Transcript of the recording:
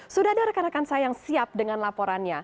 sudah ada rekan rekan saya yang siap dengan laporannya